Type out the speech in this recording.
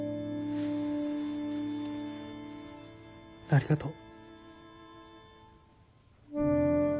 ありがとう。